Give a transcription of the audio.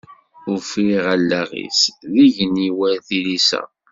Ufiɣ allaɣ-is d igenni war tilisa.